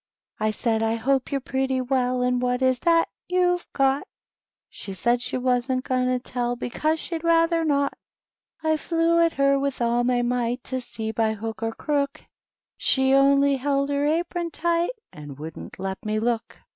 I said, */ hope yovHre pretty well ; And what is that you^ve gotf She said she wam!t going to tell. Because she^d rather not. THE WHITE KNIGHT. 113 I flew at her with all my might To see by hook or crook; She only held her apron tight And wouldnH let me look.